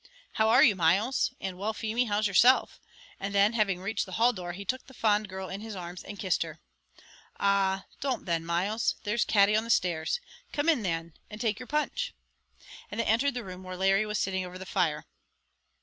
"How are you, Myles?" and "Well, Feemy, how's yourself?" and then, having reached the hall door, he took the fond girl in his arms and kissed her. "Ah; don't then, Myles; there's Katty on the stairs; come in then, and take your punch;" and they entered the room where Larry was sitting over the fire.